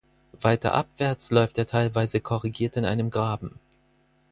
Weiter abwärts läuft er teilweise korrigiert in einem Graben.